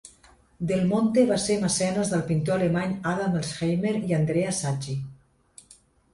Del Monte va ser mecenes del pintor alemany Adam Elsheimer i Andrea Sacchi.